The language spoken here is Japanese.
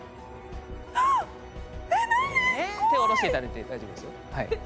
手を下ろしていただいて大丈夫ですよ。